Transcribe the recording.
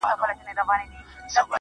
ستا شاعري گرانه ستا اوښکو وړې,